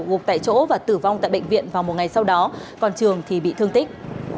gục tại chỗ và tử vong tại bệnh viện vào một ngày sau đó còn trường thì bị thương tích